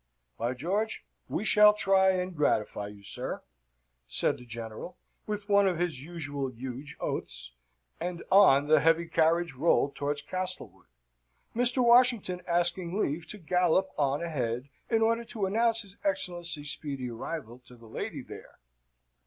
"By George, we shall try and gratify you, sir," said the General, with one of his usual huge oaths; and on the heavy carriage rolled towards Castlewood; Mr. Washington asking leave to gallop on ahead, in order to announce his Excellency's speedy arrival to the lady there.